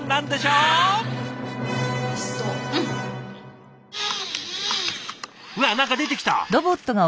うわ何か出てきた。